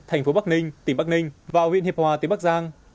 thành phố bắc ninh tỉnh bắc ninh và huyện hiệp hòa tỉnh bắc giang